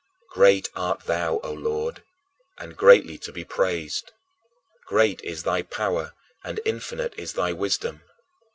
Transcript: "Great art thou, O Lord, and greatly to be praised; great is thy power, and infinite is thy wisdom."